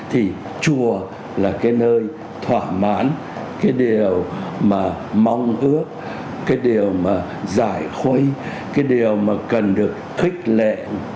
thì chùa là cái nơi thỏa mãn cái điều mà mong ước cái điều mà giải khuây cái điều mà cần được khích lệ